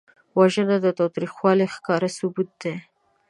وژنه د تاوتریخوالي ښکاره ثبوت دی